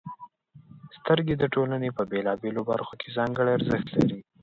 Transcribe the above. • سترګې د ټولنې په بېلابېلو برخو کې ځانګړې ارزښت لري.